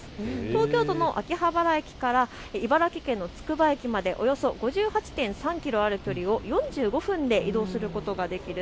東京都の秋葉原駅から茨城県のつくば駅までおよそ５８．３キロある距離を４５分で移動することができる